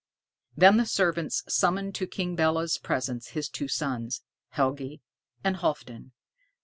Then the servants summoned to King Belé's presence his two sons, Helgi and Halfdan.